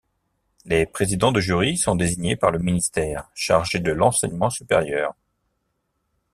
Les présidents de jury sont désignés par le ministère chargé de l'enseignement supérieur.